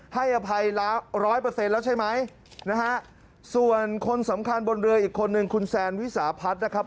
ให้อภัยล้า๑๐๐แล้วใช่ไหมนะฮะส่วนคนสำคัญบนเรืออีกคนนึงคุณแซนวิสาพัดนะครับ